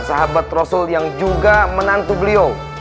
sahabat rasul yang juga menantu beliau